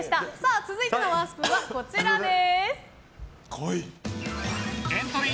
続いてのワンスプーンはこちらです。